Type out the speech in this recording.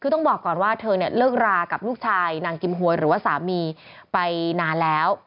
คือต้องบอกก่อนว่าเธอเนี่ยเลิกรากับลูกชายนางกิมหวยหรือว่าสามีไปนานแล้ว